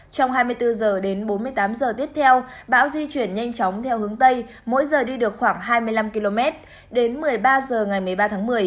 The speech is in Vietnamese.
trong hai mươi bốn h đến bốn mươi tám h tiếp theo bão di chuyển nhanh chóng theo hướng tây mỗi giờ đi được khoảng hai mươi năm km đến một mươi ba h ngày một mươi ba tháng một mươi